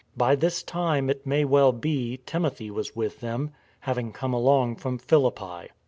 By this time, it may well be, Timothy was with them, having come along from Philippi.